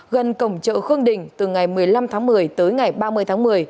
gần cổng chợ khương đình từ ngày một mươi năm tháng một mươi tới ngày ba mươi tháng một mươi